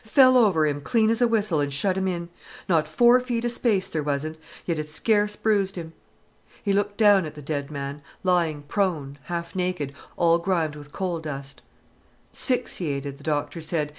Fell over him clean as a whistle, an' shut him in. Not four foot of space, there wasn't—yet it scarce bruised him." He looked down at the dead man, lying prone, half naked, all grimed with coal dust. "''Sphyxiated,' the doctor said.